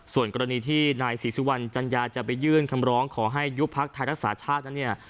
ส่วนกรณีที่นาย๔๑จัญญาจะไปยื่นคำร้องขอให้ยุบภักดิ์ไทยรักษาชาตินะเนี่ย